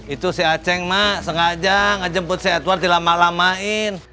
itu si aceng mak sengaja ngejemput si edward dilama lamain